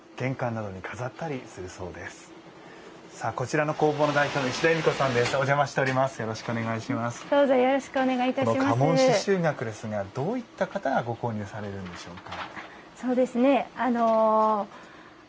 家紋刺繍額ですがどういった方がご購入されるんでしょうか？